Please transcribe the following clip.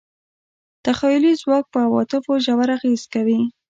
تخیلي ځواک په عواطفو ژور اغېز کوي.